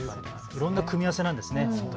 いろんな組み合わせなんですね。